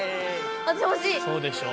そうでしょう？